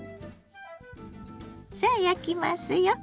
さあ焼きますよ。